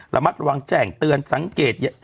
ระมัดระวังแจ้งเตือนสังเกต